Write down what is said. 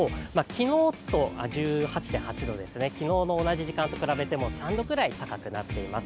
昨日は１８．８度ですね、昨日の同じ時間と比べても３度くらい高くなっています。